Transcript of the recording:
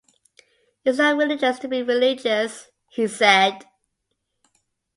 “It’s not religious to be religious,” he said.